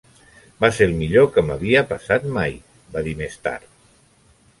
"Va ser el millor que m'havia passat mai", va dir més tard.